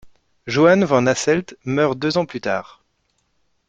Johan van Hasselt, meurt deux ans plus tard.